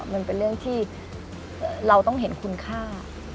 มันเป็นเรื่องที่เราต้องเห็นคุณค่า